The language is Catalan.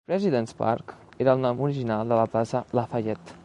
President's Park era el nom original de la plaça Lafayette.